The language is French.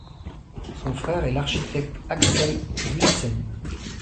Son frère est l'architecte Axel Bundsen.